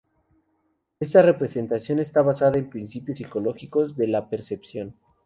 Esta representación está basada en principios psicológicos de la percepción.